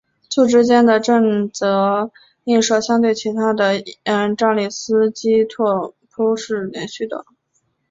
簇之间的正则映射相对其上的扎里斯基拓扑是连续的。